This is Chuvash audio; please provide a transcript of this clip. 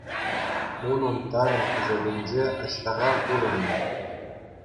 Унӑн тарӑн хушӑкӗнче Аҫтаха пурӑннӑ.